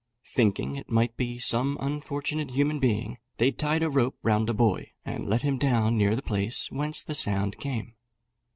Thinking it might be some unfortunate human being, they tied a rope round a boy, and let him down near the place whence the sound came.